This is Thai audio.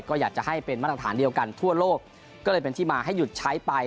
ก็อยากจะให้เป็นมาตรฐานเดียวกันทั่วโลกก็เลยเป็นที่มาให้หยุดใช้ไป